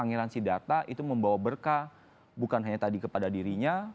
aliransi data itu membawa berkah bukan hanya tadi kepada dirinya